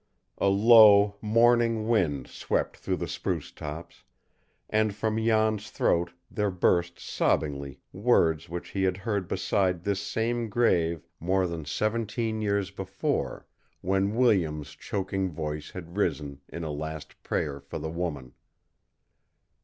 A low, mourning wind swept through the spruce tops, and from Jan's throat there burst sobbingly words which he had heard beside this same grave more than seventeen years before, when Williams' choking voice had risen in a last prayer for the woman.